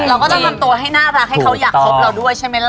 เราก็ต้องทำตัวให้น่ารักให้เขาอยากคบเราด้วยใช่ไหมล่ะ